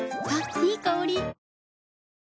いい香り。